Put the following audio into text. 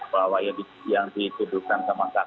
bahwa yang dituduhkan